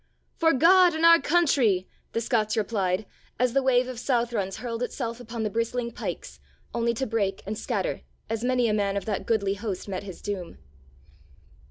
"For God and our country," the Scots replied, as the wave of Southrons hurled itself upon the bristling pikes, only to break and scatter as many a man of that goodly host met his doom.